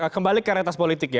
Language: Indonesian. kembali ke retas politik ya